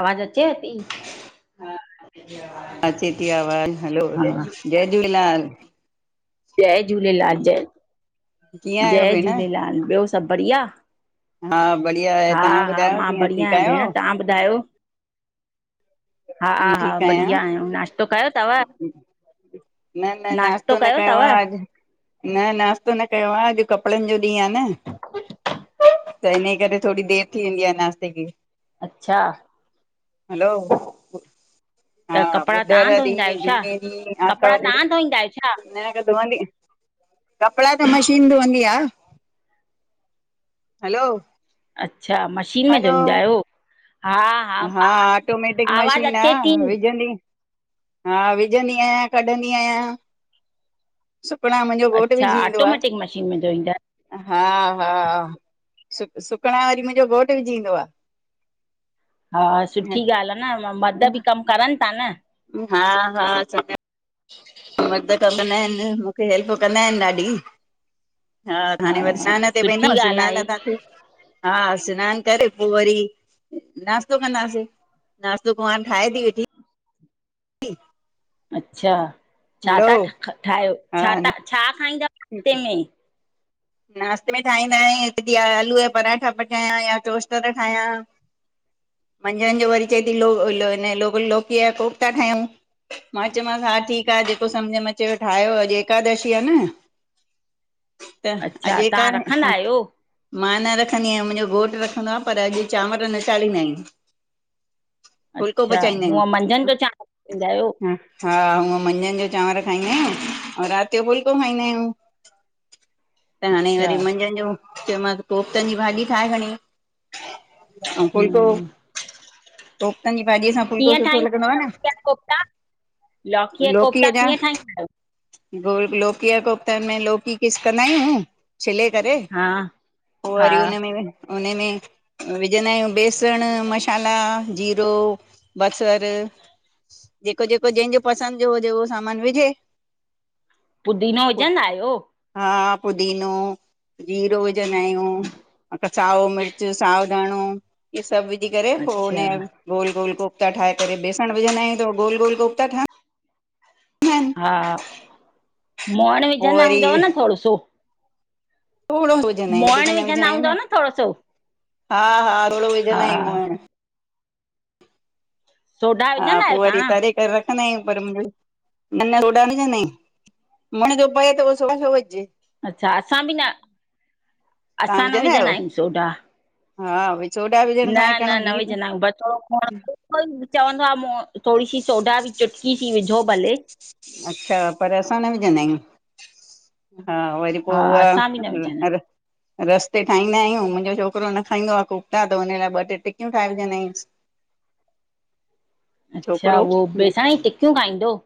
आवाज अचेव थी? अचे थी आवाज़ हलो जय झूलेलाल जय झूलेलाल जय, कीअं आहियो जय भेण? झूलेलाल ॿियो सभु बढ़िया हा बढ़िया आहे हा, तव्हां हा ॿुधायो मां कीअं बढ़िया ठीकु आहियां आहियो? भेण तव्हां ॿुधायो? हा, मां हा ठीकु आहियां बढ़िया आहियूं नाश्तो कयो तव? न न नास्तो नाश्तो न कयो तव? आ अॼु। न नाश्तो न कयो आ अॼु कपिड़नि जो ॾींहुं आ न त इन्हे करे थोड़ी देरि थी वेंदी आ नाश्ते खे। अच्छा, हलो हा त कपिड़ा ॿुधर तव्हां धोईंदा ॾीहिं, आहियो छा? जुम्मे ॾीहि, कपिड़ा आतवार ॾीह तव्हां धोईंदा आहियो छा? न अगर धोवंदी, कपड़ा त मशीन धोअंदी आ हलो। अच्छा मशीन में हलो धोईंदा आहियो? हा हा ऑटोमेटिक आवा आवाज़ मशीन अच्चे ती। आहे विझंदी हा विझंदी आहियां कढंदी आहियां सुकढा मुंजो घोटु अच्छा, विझी ईंदो आ। ऑटोमेटिक मशीन में धोईंदा आहियो? हा हा सुक सुकिणां वरी मुंजो घोटु विझीं ईंदो आ [inaudible] हा सुठी ॻाल्हि आ न म मर्द बि कमु करनि ता न हा हा अ [inaudible] मर्द क कंदा हिनि, मुखे हेल्प कंदा हिनि ॾाढी हा हाणें वरी हा, सनान ते वेंदम सुठी ॻाल्हि सनान आहे। तां थी हा सनानु करे पो वरी नाश्तो कंदा से नास्तो कुवाँर ठाहे ती वेठी। ठ [unintelligible] अच्छा, छा ता ठ ठाहियो हा छा ता छा खाईंदा नास्ते में? नाश्ते में ठाहींदा आहियूं हिकु ॾीहिं आलू जा पराठा पचायां या टोस्टर ठाहियां मंझंदि जो वरी चए ती लो लोकिय लोकीअ या कोफ्ता ठाहियंउं मां चयोमांसि हा ठीकु आ जेको सम्झ में अचेव ठाहियो अॼु एकादशी आ न त अॼु अच्छा एका तव्हां रखंदा हा आहियो मां न रखंदी आहियां मुंजो घोटु रखंदो आ पर अॼु चांवर न चाढ़ींदा आहियूं। फुल्को अच्छा पचाईंदा हूअं मंझंदि आहियूं जो चांवर पीअंदा आहियो ह हा हूअं मंझंन जो चांवर खाईंदा आहियूं अंउं राति जो फुलिको खाईंदा आहियूं। त हाणे अच्छा वरी मंझंदि जो चयोमसि कोफ्तनि जी भाॼी ठाहे खणीं। अंउं फुल्को हम्म कोफ्तनि जी भाॼीअ सां फुलको कीअं सुठो ठाहींदा लॻंदो आहियो आ न, लौकी जा कोफ्ता लौकी जा कोफ्ता लोकीअ जा कीअं ठाहींदा आहियो गोल लोकीय कोफ्तन में लोकी किस कंदा आहियूं छिले करे हा पो हा वरी उन्हे में उन्हेमें विझंदा आहियूं बेसंण, मसाला, जीरो, बसरु जेको- जेको जंहिंजो पसंदि जो हुजे उहो सामान विझे पुदीनो विझंदा आहियो? हा पुदीनो, जीरो विझंदा आहियूं अ साओ मिर्च साओ धाणों इह्ये सबु विझी करे पो उन अच्छा गोल -गोल कोफा ठाहे करे, बेसंण विझंदायूं त हो गोल- गोल कोफ्ता ठहंद्। हा मोअण पो विझंदा वरी हूंदव न थोड़ो सो थोड़ो विझंदा आहियूं वधीक मोइण न विझंदा आहियूं हूंदव न, थोरो सो हा हा थोड़ो हा विझंदायूं मोहिण। सोडा हा विझंदा पो आहियो वरी तव्हां तरे करे रखंदा आहियूं पर न न सोॾा न विझंदा हियूं। मोहिण जो पए त पो सोडा छो विझिजे। अच्छा असां बि न तव्हां असां न आहियो? विझंदा आहियूं सोडा। हा वही। न न न विझ न बचड़ो खोण। कोई चवंदो आ मो थोरी सी सोडा बि चुट्की सी विझो भले। अच्छा पर असां न विझंदायूं। हा वरी पो हा असां बि न विझंदा हुव्। रस्ते ठाहींदायूं मुंजो छोकरो न खाईंदो आहे कुकता त हुन लाइ ॿ टे टिकियूं ठाहे विझंदायूं। [inaudible] अच्छा उहो बेसाणी टिकियूं खाईंदो।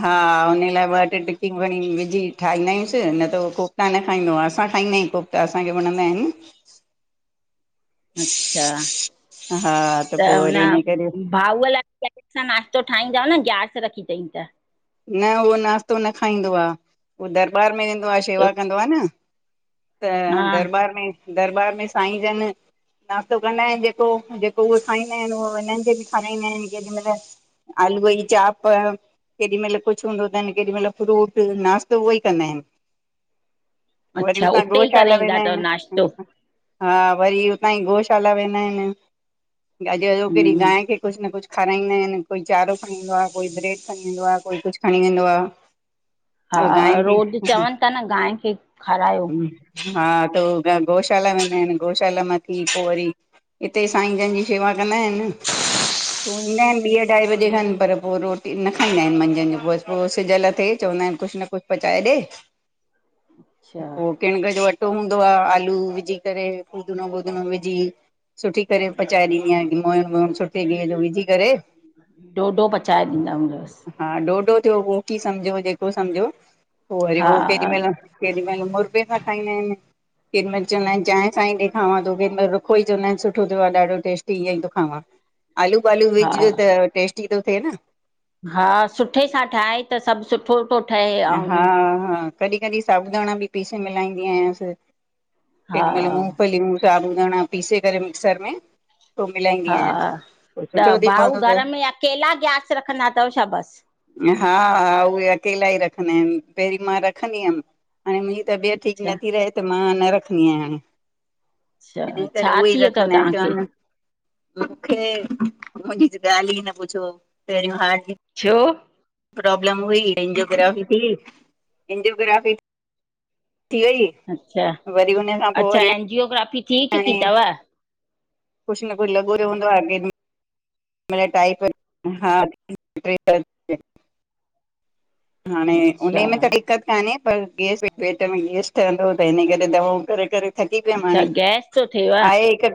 हा हुन लाइ ॿ टे टिकियूं भणी विझी ठाहींदाईस् हीनत उह कोक। तां न खाईंदो आ असां खाईंदायूं कोक त असांखे वणंदा आहिन। अच्छा हा त पो वरी इन करे। भाऊअ लाइ अलॻि सां नाश्तो ठाहींदव न ग्यारस रखी अथईं त। न उहो नाास्तो न खाईंदो आ उहो दरबार में वेंदो आ सेवा कंदो आहे न। त हा दरबार में दरबार में साईं जन। नाश्तो कंदा आहिन जेको जेको उह खाईंदा आहिन उहो हिनन जे बि खाराईंदा आहिन केॾी महल। आलू वई चाप। केॾी मल कुछ हूंदो थन केॾी मल फ्रूट नाश्तो उहो ई कंदा आहिन। वरी अच्छा हुतां उते ई गोशाला करे ईंदा वेंदा अथव आहिन। नाश्तो हा वरी हुतां ई गोशाला वेंदा आहिन अॼु केॾी हम्म गांइ खे। कुछ न कुछ खाराईंदा आहिन कोई चारो खणंदो आहे कोई ब्रेड ख। व आ कोई कुछ खणी वेंदो आ। हा रोज चवन् था न गांइ खे खारायो। हा त उ गौशाला वेंदा आहिन गौशाला म थी पो वरी हिते साईं जन जी। वा कंदा आहिन पो ईंदा आहिन ॿीह अढाई बजे खन पर पो रोटी न। खाईंदा आहिन मंझंनजो पोइस पोइ सिजल थिए चवंदा आहिनि कुछ न कुछ पचाए ॾे। अच्छा पो किणक जो अटो हूंदो आहे आलू विझी करे फूदणो वुदणो विझी। सुठी करे पचाए ॾींदी आहियां क मोइण वोइण सुठे गेह जो विझी करे। ॾोढो पचाए ॾींदा हूंवस। हा ॾोडो थियो कोकी सम्झो जेको सम्झो पो वरी हा उहो केॾी मल। केॾी मल मुरबे खां ठाहींदा आहिन। केॾि मइल चवंदा आहिन, चांय सां ही ॾे खांवा थो केॾि मईल रुखो ई चवंदा आहिन सुठो थियो आ, ॾाढो टेस्टी, ईअं ई थो खावां। आलू बालू हा विझ त टेस्टी तो थिए न। हा सुठे सां ठाहे त सब सुठो तो थो। ठहे हा ऐं हा कॾहिं कॾहिं साबूदाणा बि पीसे मिलाईंदी आयांस। हा केॾी मल मूंगफलीयूं, साबुदाणा पीसे करे मिक्सर में। पोइ मिलाईंदी हा आयांसि पोइ त, सुठो थी भाऊ पवंदो अथसि घर में अकेला ग्यारस रखंदा थव छा बस? हा हा, उहे अकेला ई रखंदा आहिन, पहिरीं मां रखंदी हुयम, हाणे मुंहिं। तबियत ठीक अच्छा नथी रहे त मां न रखंदी आहियां आंयां। हिन अच्छा करे छा उए थी ई वियो अथव रखंदा आहिन, तव्हांखे? चवान। मूंखे, मुंहिंजी त ॻाल्हि ई न पुछो, पहेरूं हार्ट। छ्यो? प्रॉब्लम हुई एंजिओग्राफी थी एंजिओग्राफी थी वई। अच्छा वरी, हुन खां पो अच्छा वरी आं। एंजियोग्राफी थी चुकी थव? कुछ न कुछ लॻो रहंन्दोवा आहे। मिला टाइप हार्ट [inaudible] हाणे उन अच्छा में त दिक़त कान्हे पर, गैस पेट में गैस ठहंदो त हिन करे दवाऊं करे करे थकी पियम अच्छा हाणे, गैस थो थिएव? आहे हिक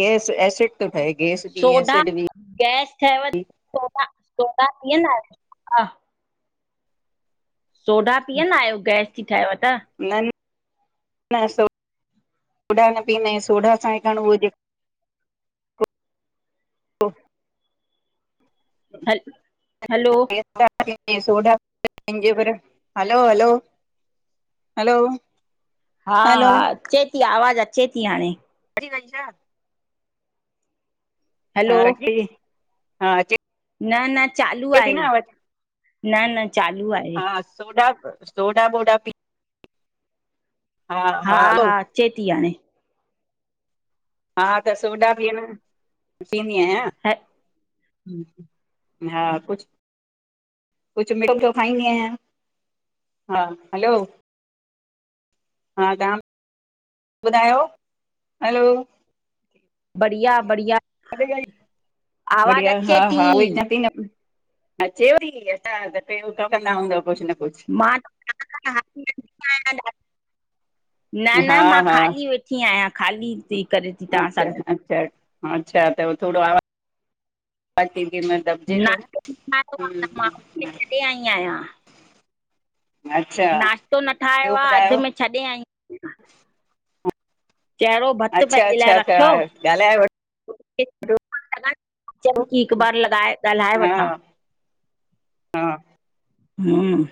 गैस, एसिड थो ठहे गैस ॿि सोडा एसिड ॿि गैस ठयव थी सोॾा, सोॾा पिअंदा आहियो? सोडा पीअंदा आहियो, गैस थी ठहेव त? न न न सो सोडा न पीअंदा आहियूं, सोडा, सां हेखण उहो जेको हा [inaudible] हल हलो हलो हलो हलो हा हलो हा, अचे ती आवाज़ु अचे ती हाणे हर वंशा [inaudible] हलो हा री हा अचे [unintelligible] न न चालू थी न आहे आवाज न न चालू आहे हा सोडा, सोडा वोडा पी हा हा अचे ती हाणे हा त सोडा ॿि आ न, पियंदी आहियां ह हा कुछ कुझु मिठो खाईंदी आहियां, हा हलो हा तव्हां ॿुधायो? हलो बढ़िया बढ़िया आवाज़ बढ़िया, अचे हा थी हा उई चां थी न अचेव ती? असां त, केर उतां कंदा हूंदव कुछ न कुछ मां ह आहियां [inaudible] न न हा मां हा ख़ाली वेठी आहियां, ख़ाली थी करे थी तव्हां सां अच्छा ॻाल अच्छा अच्छा त थोड़ो आवाज पे दिन [inaudible] मां। [unintelligible] छॾे आई आहियां। अच्छा नाश्तो न ठाहियो ॿियो आ, अध ॿुधायो में छॾे आई आया चेहरो भतु अच्छा पंहिंजे अच्छा लाइ अच्छा रखियो ॻाल्हाए वठो सोचयम की, हिकु बार लॻाए ॻाल्हाए हा वठां हा हम,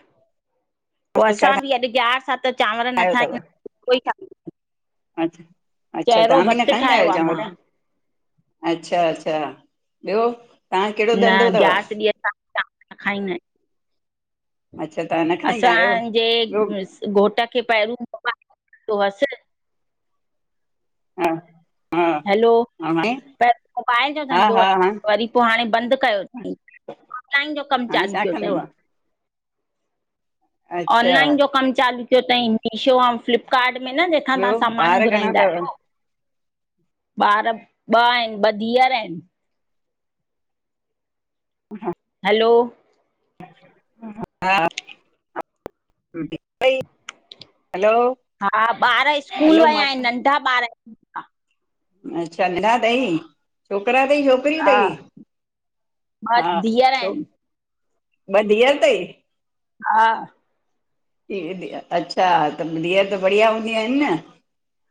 पो नास्तो छा असां बि अॼु ग्यारस आ त चांवर न ठाहिदायूं फुलको ई ठाहीदायूं। अचछा अच्छा तव्हां बि न भतु खाईंदा ठाहियो आहयो आहे चांवर? मां अच्छा अच्छा, ॿियो तव्हां खे कहड़ो न धंधो तव? ग्यारस ॾींहं असां न खाईंदा आयूं तव्हां न खाईंदा आहियो असांजे ॿियो घोट खे पहिरियों मोबाइल जो हूंदो हुअसि हा हा हैलो, हाणे पैहिर मोबाइल जो हा धंधो हा हा हस वरी पो हाणे बंद कयो तई ऑनलाइन जो कम हाणे चालू छा कयो कंदो तई। आहे अच्छा ऑनलाइन जो कम चालू कयो तई मीशो अउ फ्लिपकार्ट में न मथां ताहां ॿियो सामान ॿार घणा घुराईंदा अथव? आहयो ॿार ॿ आहिन ॿ धीअर आहिन। [unintelligible] हलो हा ॿई हलो हा ॿारु स्कूल हलो वया मां आहिन नंढा ॿारु अच्छा नंढा तई, छोकरा तई छोक करी हा तई, हा, ॿ धीअर छो, आहिनि ॿ धीअर तई हा अच्छा, त धीअर त बढ़िया हूंदी आहिन न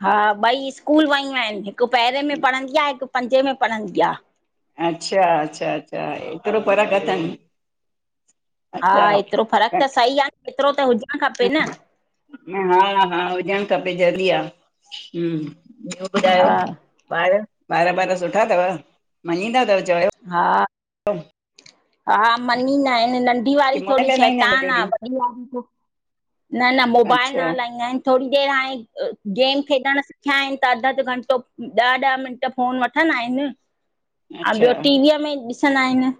हा ॿई स्कूल वयू आहिन हिकु पेहरें में पढ़ंदी आ, हिकु पंजे में पढ़ंदी आ। अच्छा, अच्छा -अच्छा, एतरो फरक़ अथन हा ऐतरो फरक त सही आ, न ऐतरो त हुजण खपे न। हा हा हुजण खपे ज़रूरी आ, हुम्, बयो हा ॿुधायो? ॿारु, ॿारु - ॿारु सुठा तव मञींदा तव चऐ हा हा, मञीदा आहिन नंढी की वारी मोबाइल थोडी हलाईंदा आहिनि सॼो शैतान आ, ॾींहुं? वॾी वारी थोरी न, न मोबाइल न अच्छा हलाईंदा आहिन। थोरी देर हाणे, गेम खेॾण सिखया आहिन त अधु- अधु घंटो, ॾह -ॾह मिंट फ़ोन वठंदा आहिन। [inaudible] हा, ब्यो टीवीअ में ॾिसंदा आहिन।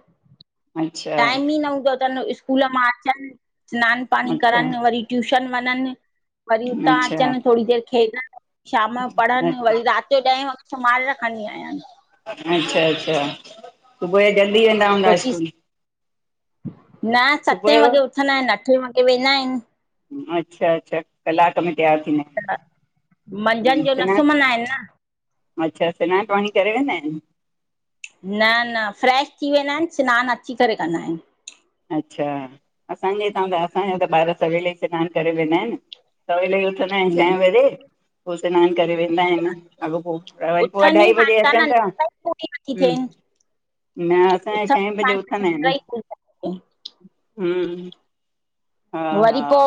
अच्छा टाइम ई न हूंदो तन, स्कूल मां अचन स्नान पाणी अच्छा करण वरी ट्यूशन वञन, वरी उतां अच्छा अचनि थोरी देर खेॾण शाम जो पढ़न वरी राति जो ॾहें वॻे, सुमारे रखंदी आयान। अच्छा अच्छा, सुबह जो जल्दी वेंदा हूंदा छोकी स्कूल न सुबुह सते वॻे उथंदा आहिन, अठे वॻे वेंदा आहिन। अच्छा -अच्छा, क़लाक में तैयार थींदा आहिन। त, मंझन जो न सुमंदा आहिन न अच्छा, सिनान पाणी करे वेंदा आहिन। न न फ्रेश थी, वेंदा आहिन सिनान अची करे कंदा आहिन। अच्छा, असांजे हितां त असांजा त ॿारु सवेल ई सिनान करे वेंदा आहिन सवेल ही उथंदा आहिन छह आहिनि वजे, पो सिनान करे वेंदा आहिन। अॻोपो त वरी पो उथनि ई अढाई कान वजे था न अचन ता, निंड ई पूरी नथी हुं थियनि न उथनि असांजा ई छह बजे कान था उथंदा निंड आहिन, ई पूरी नथी थिए हं वरी पो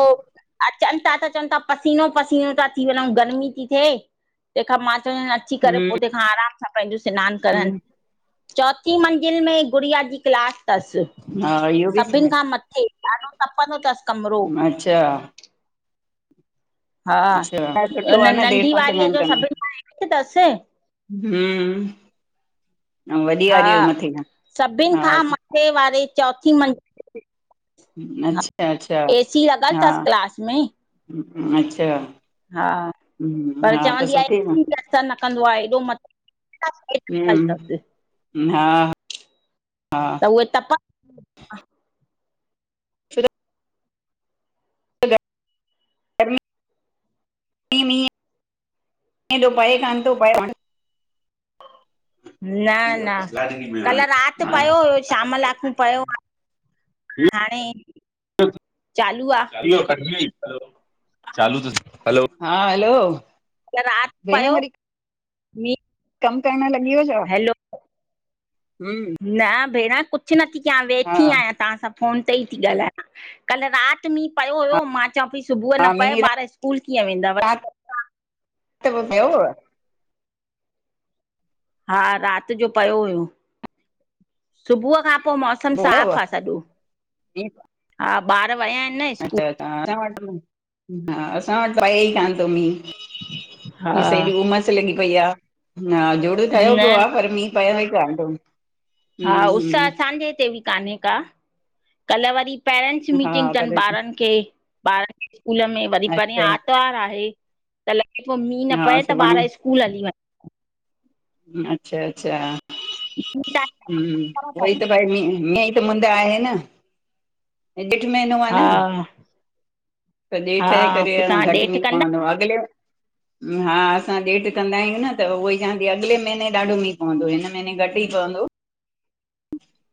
अचनि तां त चवन तां पसीनो -पसीनो तां थी, वञू गर्मी ती थे, तेखां मां चवंद अची करे पो हम्म तेखा आराम, सां पेंजो सिनान करन चोथी मंज़िल में ई गुड़िया जी, क्लास तस हा इहो बि सभिन खां मथे। ॾाढो तपंदो, तस कमरो अच्छा हा, अच्छा सुठो आ न देरि नंढीअ सां वारीअ जो सभिन खां हेठ तसि हुं, अउं वॾी वारीय जो मथे, हा टे वारे चोथी मंज़ हा, अच्छा अच्छा ए सी लॻल हा तसि क्लास में अच्छा हा, हम्म पर हा त चवंदी आ ए सुठी न सी बि असर न कंदो आ एॾो मतिलबु हूं हा हा। त उहे तपा छोजो गर्मी [unintelligible] हेॾो पए कानि तो पए हाण। न न कल राति पयो हुयो। शाम लाकू पयो आ हाणे चालू आ। इयो कटजी वइ, चालू तस हलो हा हेलो त राति पयो कमु करणु लॻी वियो छा? हैलो हूं न भेण कुझु नथी कयां वेठी आहियां तहां सां। फोनु ते ई ती ॻाल्हायां, कल राति मींहुं पियो हा हुयो मां चां पई सुबुह हा न पए मींहुं ॿार स्कूलु कीअं वेंदव। त पो पियोव? हा राति जो पयो हुयो सुबुह खां पो मौस मौसम हुयव? साफ़ आ सॼो, मींहुं हा ॿार विया आहिनि न स्कूलु। त तां, असां वटि, हा, असां वटि पए ई कानि तो मींहुं। हा की असाए हेॾी उमसु लॻी पई आ, हा जुड़ ठहियो न पियो न आ पर मींहुं पया ई कानितमु। हा उसअ असांजे हिते बि कान्हे का, कल्ह वरी पेरेंट्स हा मीटिंग पर तनि ॿारनि खे, ॿारनि खे स्कूलु में वरी परियु अच्छा आत आर्तवार आहे त लॻे पो मींहुं न हा पए त सुभाणे ॿारु स्कूल हली वञनि। अच्छा अच्छा वञनि हूं वई त पई मींं मींई त मुंद आहे न। हे ॼेठ महनो आ न। हा त ॼेठ हा जे करे पोइ अ तव्हां घटि ॾेठ मींहुं कंदा पवंदो आ अॻिले हा असां ॼेट कंदा आहियूं न, त उहो ई चवां ती अॻिले महीने ॾाढो मींहुं पवंदो हिन महिने घटि ई पवंदो। ब [inaudible]